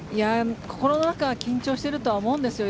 この中緊張していると思うんですよ。